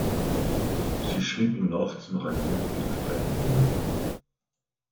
Sie schrieb ihn nachts, nach einem heftigen Streit mit ihm.